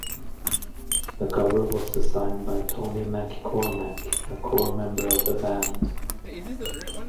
The cover was designed by Tony McKormack, a core member of the band.